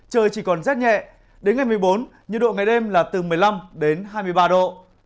trời chỉ còn rét nhẹ đến ngày một mươi bốn nhiệt độ ngày đêm là từ một mươi năm đến hai mươi ba độ